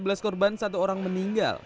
sebelas korban satu orang meninggal